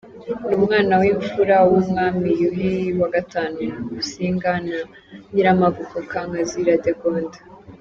Ni umwana w’imfura w’Umwami Yuhi wa V Musinga na Nyiramavugo Kankazi Radegonda.